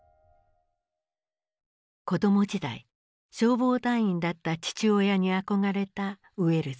子ども時代消防団員だった父親に憧れたウェルズ。